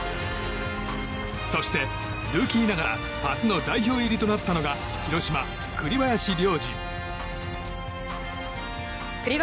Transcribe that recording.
そして、ルーキーながら初の代表入りとなったのが広島・栗林良吏。